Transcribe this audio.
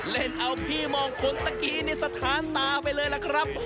เล่นเอาพี่มองคนตะกี้นี่สถานตาไปเลยล่ะครับ